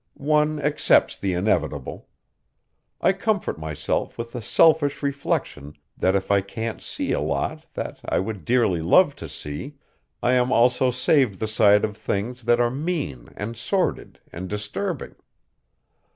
One accepts the inevitable. I comfort myself with the selfish reflection that if I can't see a lot that I would dearly love to see, I am also saved the sight of things that are mean and sordid and disturbing.